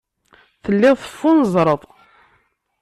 Telliḍ teffunzreḍ.